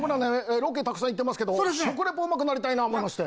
ロケたくさん行ってますけど食リポうまくなりたい思いまして。